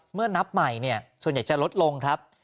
เมื่อนับใหม่ส่วนใหญ่จะลดลงครับ